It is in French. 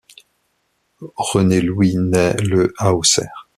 René Louis naît le à Auxerre.